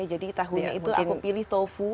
jadi tahunya itu aku pilih tofu